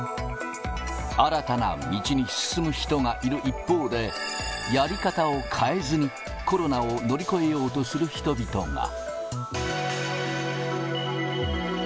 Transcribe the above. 新たな道に進む人がいる一方で、やり方を変えずにコロナを乗り越えようとする人々が。